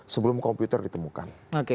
sebelum komputer ditemukan